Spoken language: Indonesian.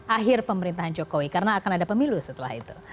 akhir pemerintahan jokowi karena akan ada pemilu setelah itu